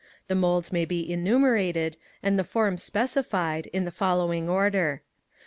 The moulds may be enumerated, and the forms specified, in the following order.